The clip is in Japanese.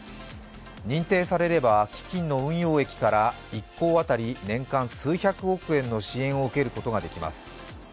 認定されれば基金の運用益から１校当たり年間数百億円の支援を受けることができます。